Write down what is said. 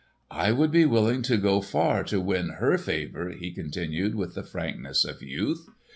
"I would be willing to go far to win her favour," he continued with the frankness of youth.